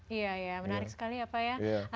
iya ya menarik sekali ya pak ya